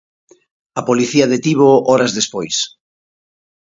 A policía detívoo horas despois.